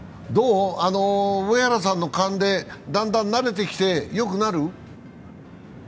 上原さんの勘でだんだん慣れてきてよくなる？